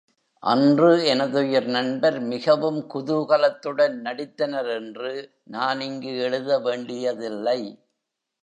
அன்று எனதுயிர் நண்பர் மிகவும் குதூகலத்துடன் நடித்தனர் என்று நான் இங்கு எழுத வேண்டியதில்லை.